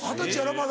まだ。